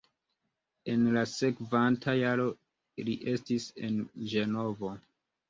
En la sekvanta jaro li estis en Ĝenovo.